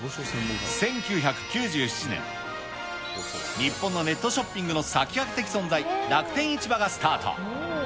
１９９７年、日本のネットショッピングの先駆け的存在、楽天市場がスタート。